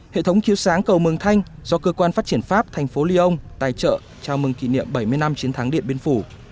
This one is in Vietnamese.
hệ thống chiếu sáng cầu mường thanh do cơ quan phát triển pháp thành phố lyon tài trợ chào mừng kỷ niệm bảy mươi năm chiến thắng điện biên phủ